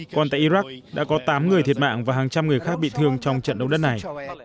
còn tại iraq đã có tám người thiệt mạng và hàng trăm người khác bị thương trong trận động đất này